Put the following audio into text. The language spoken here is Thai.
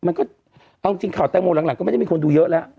มันก็เอาจริงข่าวแตงโมหลังก็ไม่ได้มีคนดูเยอะแล้ว